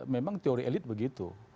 memang teori elit begitu